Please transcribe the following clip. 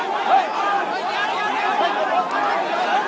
สตาร์ทที่ผู้หญิงคนนี้ล้มลงนะคะล้มลงแล้ว